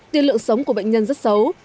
tiên lượng sống của bệnh nhân rất xấu